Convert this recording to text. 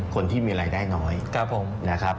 คนที่มีรายได้น้อยนะครับ